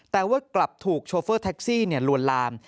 แต่ว่ากลับถูกโชเฟอร์แท็กซี่ลวนลาม